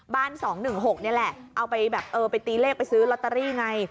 ๒๑๖นี่แหละเอาไปแบบเออไปตีเลขไปซื้อลอตเตอรี่ไง